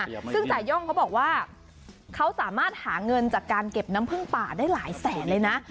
ซึ่งจ่าย่องเขาบอกว่าเขาสามารถหาเงินจากการเก็บน้ำพึ่งป่าได้หลายแสนเลยนะ